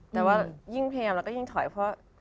แต่ว่ายิ่งพยายามแล้วก็ยิ่งถอยเพราะ